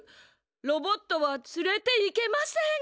「ロボットはつれて行けません」？